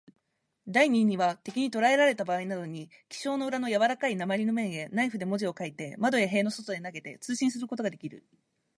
第二には、敵にとらえられたばあいなどに、記章の裏のやわらかい鉛の面へ、ナイフで文字を書いて、窓や塀の外へ投げて、通信することができる。